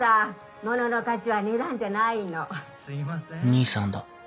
兄さんだ。